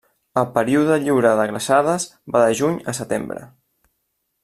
El període lliure de glaçades va de juny a setembre.